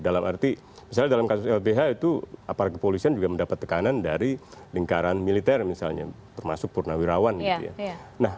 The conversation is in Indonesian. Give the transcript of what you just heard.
dalam arti misalnya dalam kasus lbh itu aparat kepolisian juga mendapat tekanan dari lingkaran militer misalnya termasuk purnawirawan gitu ya